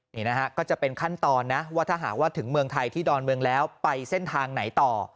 นี่นะฮะก็จะเป็นขั้นตอนนะว่าถ้าหากว่าถึงเมืองไทยที่ดอนเมืองแล้วไปเส้นทางไหนต่อ